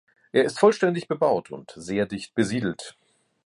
Er ist vollständig bebaut und sehr dicht besiedelt.